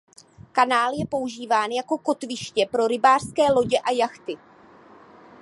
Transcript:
Kanál je používán jako kotviště pro rybářské lodě a jachty.